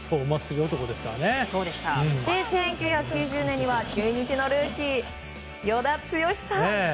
１９９０年には中日のルーキー、与田剛さん。